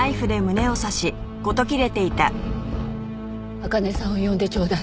アカネさんを呼んでちょうだい。